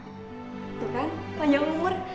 tuh kan panjang umur